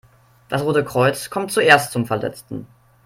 Das Rote Kreuz kommt zuerst zum Verletzten.